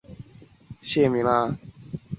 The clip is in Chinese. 至今尚未有经由考古学家挖掘出来的模型。